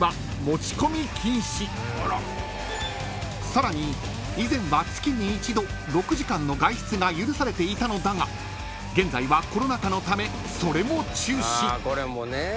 ［さらに以前は月に１度６時間の外出が許されていたのだが現在はコロナ禍のためそれも中止］